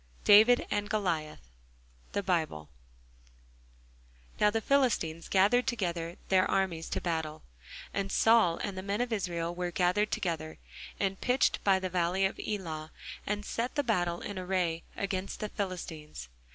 DAVID AND GOLIATH Now the Philistines gathered together their armies to battle, and Saul and the men of Israel were gathered together, and pitched by the valley of Elah, and set the battle in array against the Philistines.